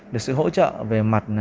được sự hỗ trợ về mặt